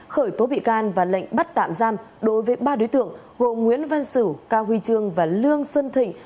khởi tố bị can và lệnh bắt tạm giam đối với ba đối tượng gồm nguyễn văn sửu cao huy chương và lương xuân thịnh